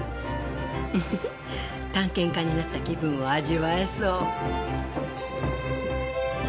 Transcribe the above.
探検家になった気分を味わえそう。